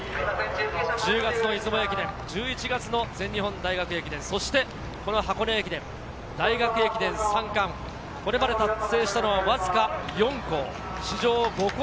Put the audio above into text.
１０月の出雲駅伝、１１月の全日本大学駅伝、そして箱根駅伝、大学駅伝３冠、これまで達成したのはわずか４校。